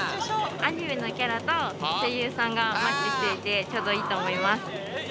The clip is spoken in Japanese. アニメのキャラと声優さんがマッチしていて、ちょうどいいと思います。